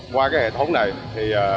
qua cái hệ thống này thì